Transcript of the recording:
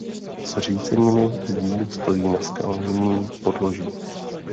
Zříceniny zdí stojí na skalním podloží.